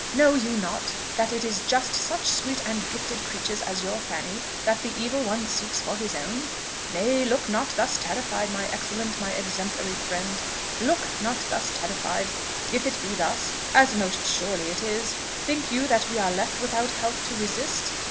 know you not that it is just such sweet and gifted creatures as your Fanny that the Evil One seeks for his own? Nay, look not thus terrified, my excellent, my exemplary friend, look not thus terrified: if it be thus, as most surely it is think you that we are left without help to resist?